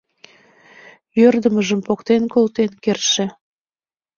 Йӧрдымыжым поктен колтен кертше.